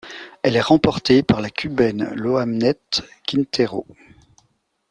Elle est remportée par la Cubaine Ioamnet Quintero.